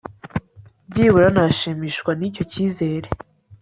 byibura nashimishwa n'icyo cyizere